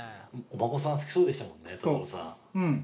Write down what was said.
お孫さん好きそうでしたもんね辿さん。